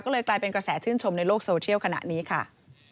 ก็เลยกลายเป็นกระแสชื่นชมในโลกโซเชียลขณะนี้ค่ะ